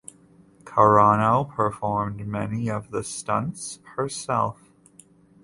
Carano performed many of the stunts herself.